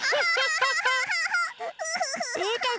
うーたん